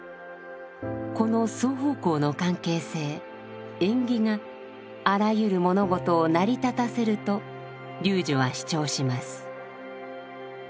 この双方向の関係性縁起があらゆる物事を成り立たせると龍樹は主張します。